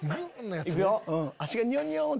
いくよ。